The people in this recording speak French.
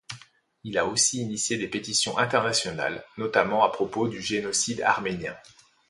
Il a aussi initié des pétitions internationales, notamment à propos du génocide arménien.